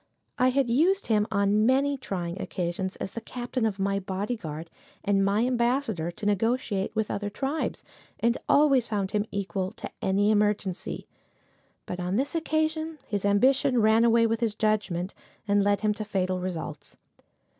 I had used him on many trying occasions, as the captain of my bodyguard, and my ambassador to negotiate with other tribes, and always found him equal to any emergency; but on this occasion his ambition ran away with his judgment, and led him to fatal results.